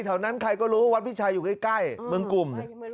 แถวนั้นใครก็รู้วัดพี่ชายอยู่ใกล้เมืองกลุ่ม